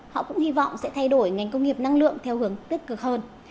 họ cũng hy vọng sẽ thay đổi ngành công nghiệp năng lượng theo hướng tích cực hơn